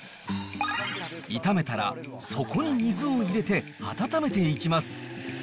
炒めたらそこに水を入れて温めていきます。